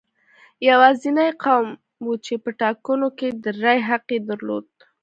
یوازینی قوم و چې په ټاکنو کې د رایې حق یې درلود.